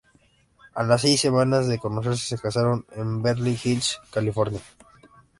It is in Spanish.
A las seis semanas de conocerse se casaron en Beverly Hills, California.